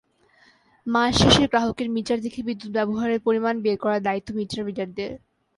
মাস শেষে গ্রাহকের মিটার দেখে বিদ্যুৎ ব্যবহারের পরিমাণ বের করার দায়িত্ব মিটার রিডারদের।